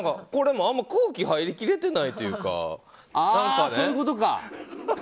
これもあんまり空気入りきれていないというか。